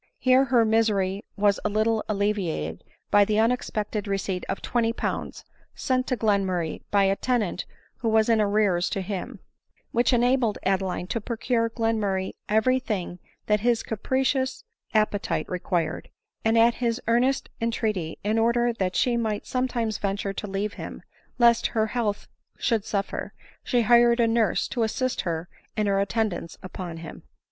Here their misery was a little alleviated by the unex pected receipt of twenty pounds, sent to Glenmurray by a tenant who was in arrears to him, which enabled Adeline to procure Glenmurray every thing that his capricious appetite* required ; and at his earnest entreaty, in order that she might sometimes venture to leave him, lest her health should suffer, she hired a nurse to assist her in her attendance upon him.